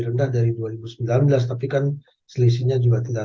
rendah dari peringkat peringkat yang diperlukan tetapi keputusan pemerintah menanggap keputusan